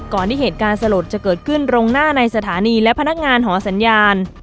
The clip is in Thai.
ที่เหตุการณ์สลดจะเกิดขึ้นตรงหน้าในสถานีและพนักงานหอสัญญาณ